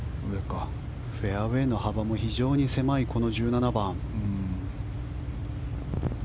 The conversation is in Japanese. フェアウェーの幅も非常に狭いこの１７番。